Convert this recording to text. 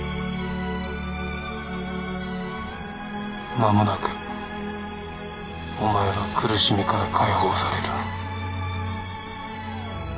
間もなくお前は苦しみから解放される